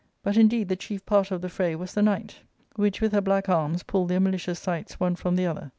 But indeed the chief parter of the fray was the night, j which, with her black arms, pulled their malicious sights one ' from the other.